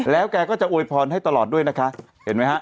แล้วแกก็จะอวยพรให้ตลอดด้วยนะคะเห็นไหมฮะ